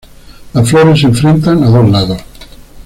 Las flores se enfrentan a dos lados.